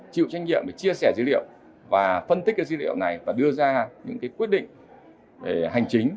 chịu trách nhiệm để chia sẻ dữ liệu và phân tích cái dữ liệu này và đưa ra những quyết định về hành chính